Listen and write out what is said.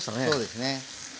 そうですね。